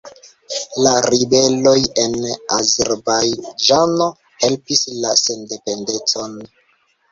La ribeloj en Azerbajĝano helpis la sendependecon.